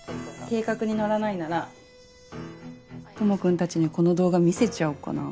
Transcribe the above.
計画に乗らないなら智くんたちにこの動画見せちゃおうかな。